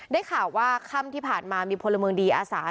ได้ข่าวว่าค่ำที่ผ่านมามีพลเมืองดีอาสา